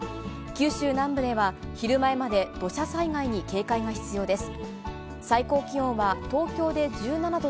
九州南部では昼前まで土砂災害に警戒が必要です。